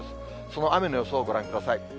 その雨の予想ご覧ください。